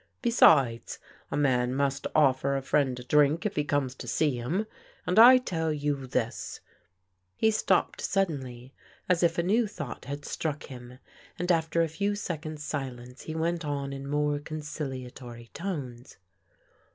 Besides, a man must offer a friend a drink if he comes to see him^ And I tell you this ^" He stopped suddenly as if a new thought had struck him, and after a few seconds' silence he went on in more conciliatory tones.